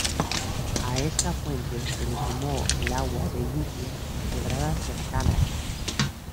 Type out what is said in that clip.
A esta fuente se le sumó el agua de lluvia y quebradas cercanas.